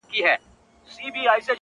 زه يې رسته نه منم عقل چي جهرچي دی وايي-